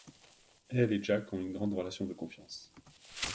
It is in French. Elle et Jack ont une grande relation de confiance.